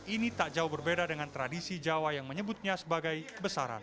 ini tak jauh berbeda dengan tradisi jawa yang menyebutnya sebagai besaran